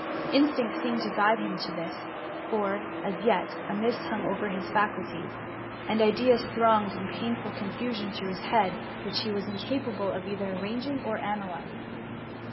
Instinct seemed to guide him to this ; for, as yet, a mist hung over his faculties, and ideas thronged in painful confu sion through his mind, which he was incapable of either arranging or analyzing.